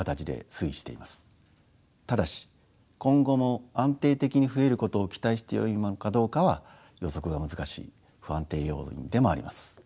ただし今後も安定的に増えることを期待してよいものかどうかは予測が難しい不安定要因でもあります。